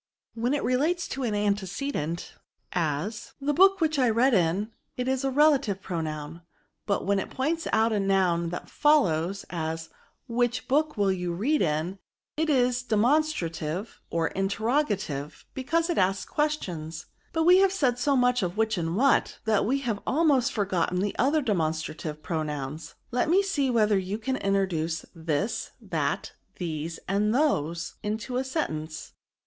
When it relates to an antecedent, as * the book which I read in,' it is a relative pronoun ; but when it points out a noun that follows, as, which book will you read in ? it is demonstrative, or interrogative, because it asks questions. But we have said so much of which and what, that we have almost forgotten the other demonstrative pronouns ; let me see whether you can introduce this, that, these, and those, into a sentence."